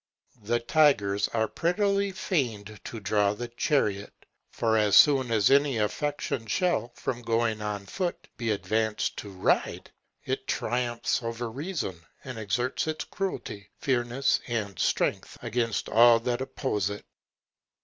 And tigers are prettily feigned to draw the chariot; for as soon as any affection shall, from going on foot, be advanced to ride, it triumphs over reason, and exerts its cruelty, fierceness, and strength against all that oppose it.